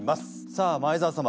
さあ前澤様